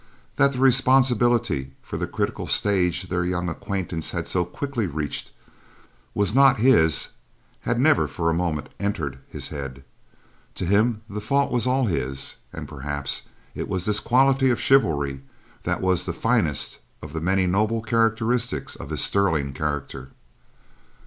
That the responsibility for the critical stage their young acquaintance had so quickly reached was not his had never for a moment entered his head. To him, the fault was all his; and perhaps it was this quality of chivalry that was the finest of the many noble characteristics of his sterling character.